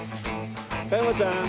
加山ちゃん。